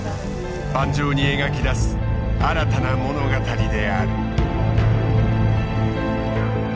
盤上に描き出す新たな物語である。